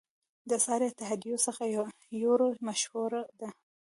د اسعاري اتحادیو څخه یورو مشهوره ده.